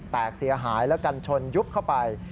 แตกเสียหายแล้วกันชนยุบเข้าไป